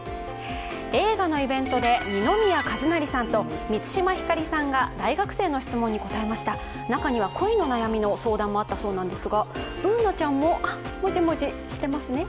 映画のイベントで二宮和也さんと満島ひかりさんが大学生の質問に答えました中には恋の悩みの相談もあったそうなんですがＢｏｏｎａちゃんもモジモジしてますね。